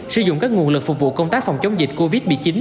sử dụng các nguồn lực phục vụ công tác phòng chống dịch covid một mươi chín